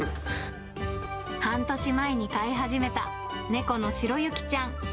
半年前に飼い始めた猫の白雪ちゃん。